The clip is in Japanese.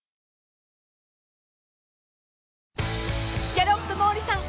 ［ギャロップ毛利さん